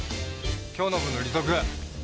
今日の分の利息。